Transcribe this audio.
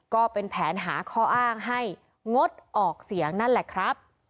ก็เป็นแผนหาข้ออ้างให้งดออกเสียงนั่นแหละครับ